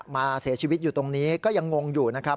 มาเสียชีวิตอยู่ตรงนี้ก็ยังงงอยู่นะครับ